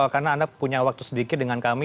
karena anda punya waktu sedikit dengan kami